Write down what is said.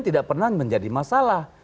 tidak pernah menjadi masalah